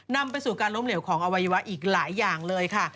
นำไปสู่การล้มเหลวของอวัยวะอีกหลายอย่างเลยค่ะ